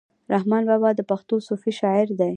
رحمان بابا د پښتو صوفي شاعر دی.